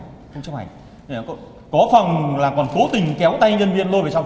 có phòng là còn cố tình kéo tay nhân viên lôi vào trong đó có phòng là còn cố tình kéo tay nhân viên lôi vào trong đó